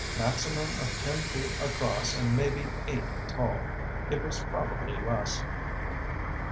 "Maximum of ten feet across and maybe eight tall. It was probably less."